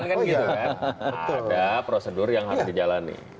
ada prosedur yang harus dijalani